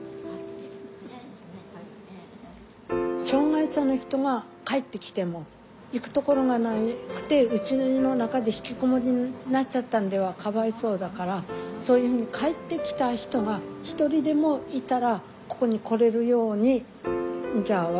障害者の人が帰ってきても行くところがなくてうちの中で引きこもりになっちゃったんではかわいそうだからそういうふうに帰ってきた人が一人でもいたらここに来れるようにじゃあ